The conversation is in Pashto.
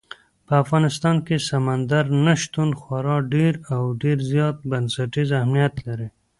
په افغانستان کې سمندر نه شتون خورا ډېر او ډېر زیات بنسټیز اهمیت لري.